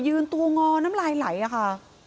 ยืนตัวงอนน้ำลายไหลค่ะ